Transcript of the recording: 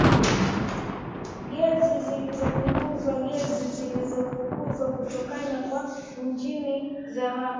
Gesi zilizofukuzwaGesi zilizofukuzwa kutoka kwa injini za mwako